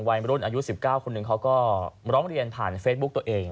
วัยรุ่นอายุ๑๙คนหนึ่งเขาก็ร้องเรียนผ่านเฟซบุ๊กตัวเอง